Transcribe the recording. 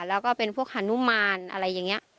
แล้วก็เป็นพวกฮานุมานอะไรอย่างนี้